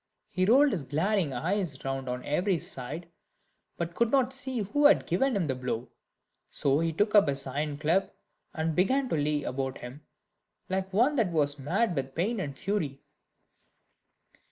He rolled his glaring eyes round on every side, but could not see who had given him the blow; so he took up his iron club, and began to lay about him like one that was mad with pain and fury.